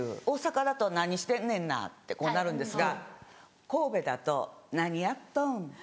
大阪だと「何してんねんな」ってこうなるんですが神戸だと「何やっとん？」